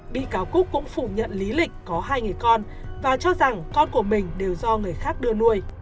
bị cáo cúc cũng phủ nhận lý lịch có hai người con và cho rằng con của mình đều do người khác đưa nuôi